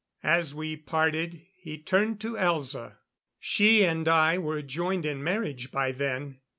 As we parted, he turned to Elza. She and I were joined in marriage by then.